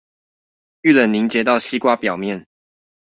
遇冷凝結到西瓜表面